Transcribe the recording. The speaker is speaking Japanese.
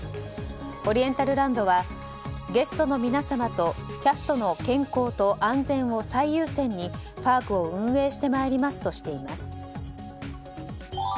オリエンタルランドはゲストの皆様とキャストの健康と安全を最優先に、パークを運営してまいりますとしています。